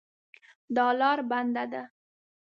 دا لار بنده ده